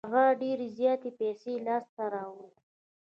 هغه ډېرې زياتې پیسې لاس ته راوړې.